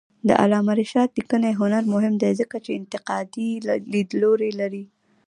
د علامه رشاد لیکنی هنر مهم دی ځکه چې انتقادي لیدلوری لري.